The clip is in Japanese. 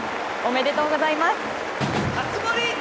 おめでとうございます！